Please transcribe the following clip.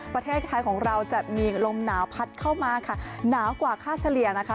ประเทศไทยของเราจะมีลมหนาวพัดเข้ามาค่ะหนาวกว่าค่าเฉลี่ยนะคะ